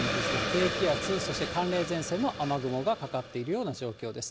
低気圧、そして寒冷前線の雨雲がかかっているような状況です。